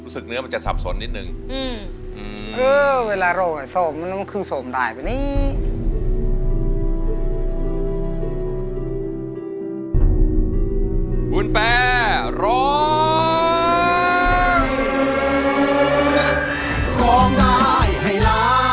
ลูกหนูสู้ชีวิต